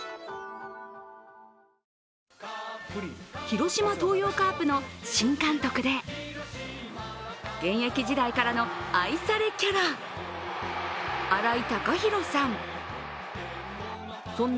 広島東洋カープの新監督で現役時代からの愛されキャラ、新井貴浩さん。